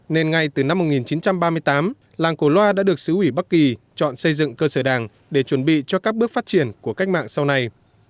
nên ngay từ năm một nghìn chín trăm ba mươi tám làng cổ loa đã được sứ ủy bắc kỳ chọn xây dựng cơ sở đảng để chuẩn bị cho các bước phát triển của cách mạng sau này